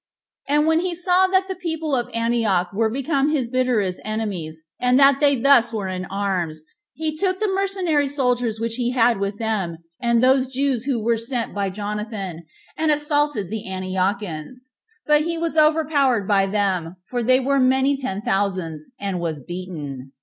And when he saw that the people of Antioch were become his bitter enemies and that they were thus in arms, he took the mercenary soldiers which he had with them, and those Jews who were sent by Jonathan, and assaulted the Antiochians; but he was overpowered by them, for they were many ten thousands, and was beaten.